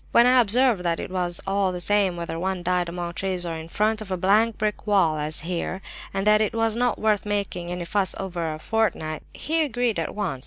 "When I observed that it was all the same whether one died among trees or in front of a blank brick wall, as here, and that it was not worth making any fuss over a fortnight, he agreed at once.